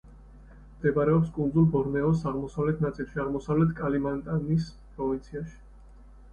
მდებარეობს კუნძულ ბორნეოს აღმოსავლეთ ნაწილში, აღმოსავლეთ კალიმანტანის პროვინციაში.